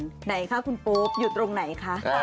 ไหนคะคุณโป๊ปอยู่ตรงไหนคะ